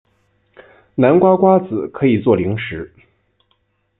南瓜瓜子可以做零食。